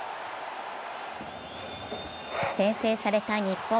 先制された日本。